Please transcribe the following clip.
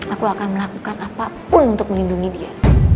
aku akan melakukan apapun untuk melindungi dia